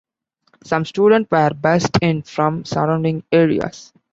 Some students were bussed in from surrounding areas.